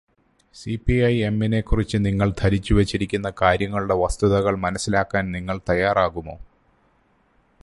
സിപിഐഎംനെ കുറിച്ച് നിങ്ങൾ ധരിച്ചു വെച്ചിരിക്കുന്ന കാര്യങ്ങളുടെ വസ്തുതകൾ മനസ്സിലാക്കാൻ നിങ്ങൾ തയ്യാറാകുമോ?